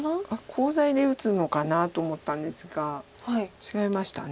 コウ材で打つのかなと思ったんですが違いました。